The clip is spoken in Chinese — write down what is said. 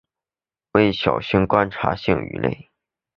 为小型观赏性鱼类。